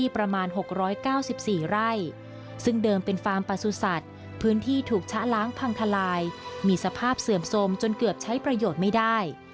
พื้นที่ถูกชะล้างพังทลายมีสภาพเสื่อมสมจนเกือบใช้ประโยชน์ไม่ได้